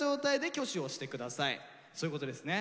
そういうことですね。